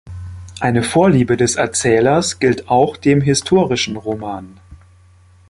Eine Vorliebe des Erzählers gilt auch dem historischen Roman.